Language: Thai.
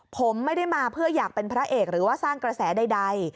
ผมไม่ได้มาเพื่ออยากเป็นพระเอกหรือว่าสร้างกระแสใด